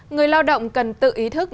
người lao động cần tự ý thức